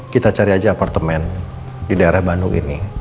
kita cari aja apartemen di daerah bandung ini